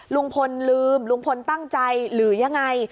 ลุงพลลืมลุงพลตั้งใจหรือยังไง